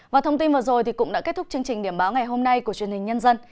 và thông tin vừa rồi cũng đã kết thúc chương trình điểm báo ngày hôm nay của truyền hình nhân dân